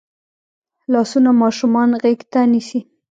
لاسونه ماشومان غېږ ته نیسي